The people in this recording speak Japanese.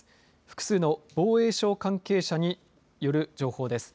複数の防衛省関係者による情報です。